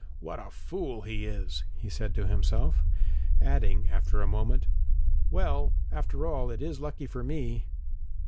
'What a fool he is!' he said to himself, adding after a moment 'Well, after all, it is lucky for me!'